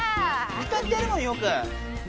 歌ってるもんよく。